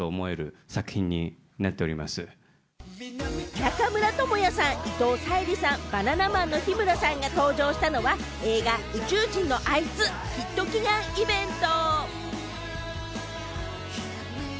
中村倫也さん、伊藤沙莉さん、バナナマンの日村さんが登場したのは、映画『宇宙人のあいつ』ヒット祈願イベント。